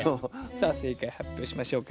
さあ正解発表しましょうか。